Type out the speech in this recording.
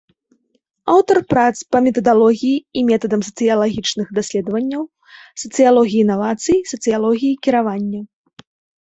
Аўтар прац па метадалогіі і метадам сацыялагічных даследаванняў, сацыялогіі інавацый, сацыялогіі кіравання.